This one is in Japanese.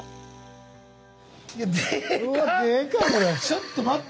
ちょっと待って。